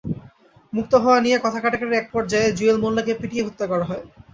মুক্ত হওয়া নিয়ে কথা-কাটাকাটির একপর্যায়ে জুয়েল মোল্লাকে পিটিয়ে হত্যা করা হয়।